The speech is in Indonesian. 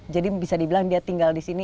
jadi bisa dibilang dia tinggal di sini